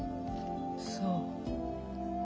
そう。